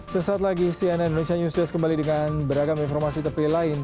sesaat lagi cnn indonesia news dua s kembali dengan beragam informasi tepi lain